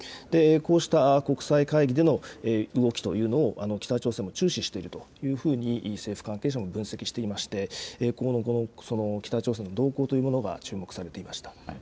こうした国際会議での動きというのを北朝鮮も注視しているというふうに政府関係者も分析していまして今後の北朝鮮の動向というものが注目されていました。